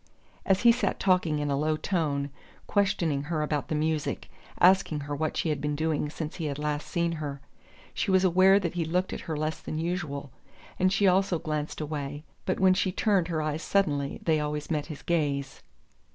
As he sat talking in a low tone, questioning her about the music, asking her what she had been doing since he had last seen her, she was aware that he looked at her less than usual, and she also glanced away; but when she turned her eyes suddenly they always met his gaze.